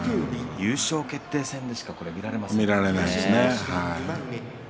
優勝決定戦でしか見られませんね。